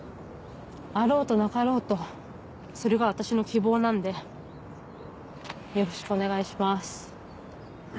あろうとなかろうとそれが私の希望なんでよろしくお願いします